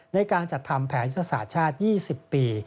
ในการจัดทำแผนยุทธศาสตร์ชาติ๒๐ปี